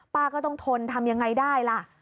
ป้าก็ต้องทนทำยังไงได้ล่ะ